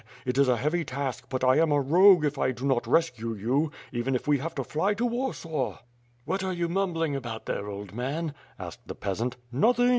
... It is a heavy task but 1 am a rogue if 1 do not rescue you; even if we have to fly to Warsaw. ..." "What are you mumbling about there, old man?" asked the peasant. "Nothing.